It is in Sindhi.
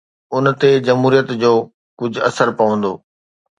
ان تي جمهوريت جو ڪجهه اثر پوندو.